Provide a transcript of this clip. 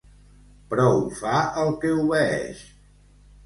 Prou fa el que obeeix.